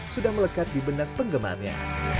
sudah melekat di benak penggemarnya